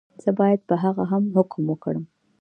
زه باید په هغه هم حکم وکړم.